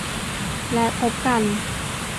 และพบกัน